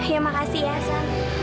ya makasih ya